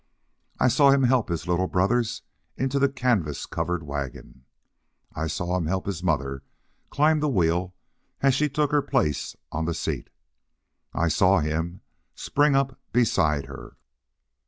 I saw him help his little brothers into the canvas covered wagon. I saw him help his mother climb the wheel as she took her place on the seat. I saw him spring up beside her.